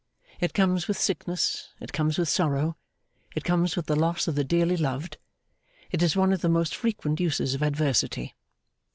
It comes with sickness, it comes with sorrow, it comes with the loss of the dearly loved, it is one of the most frequent uses of adversity.